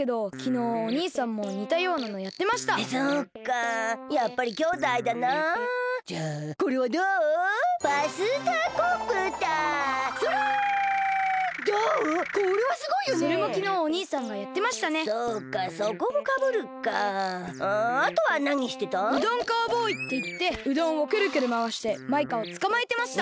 うどんカウボーイっていってうどんをくるくるまわしてマイカをつかまえてました！